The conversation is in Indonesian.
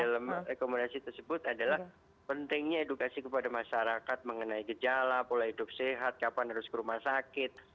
dalam rekomendasi tersebut adalah pentingnya edukasi kepada masyarakat mengenai gejala pola hidup sehat kapan harus ke rumah sakit